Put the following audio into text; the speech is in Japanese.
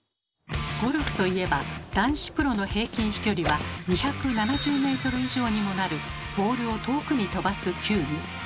ゴルフといえば男子プロの平均飛距離は２７０ｍ以上にもなるボールを遠くに飛ばす球技。